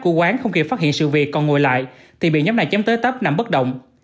của quán không kịp phát hiện sự việc còn ngồi lại thì bị nhóm này chém tới tấp nằm bất động